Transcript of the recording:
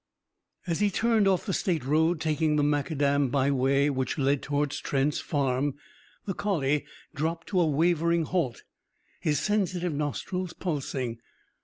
As he turned off the state road, taking the macadam byway which led towards Trent's farm, the collie dropped to a wavering halt, his sensitive nostrils pulsing.